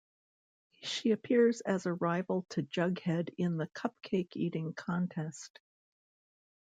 She appears as a rival to Jughead in the cupcake-eating contest.